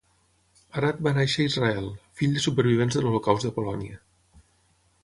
Arad va néixer a Israel, fill de supervivents de l'Holocaust de Polònia.